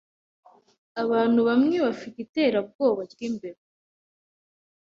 Abantu bamwe bafite iterabwoba ryimbeba.